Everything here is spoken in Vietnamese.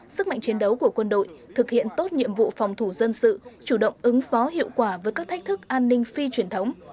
sức mạnh chiến đấu của quân đội thực hiện tốt nhiệm vụ phòng thủ dân sự chủ động ứng phó hiệu quả với các thách thức an ninh phi truyền thống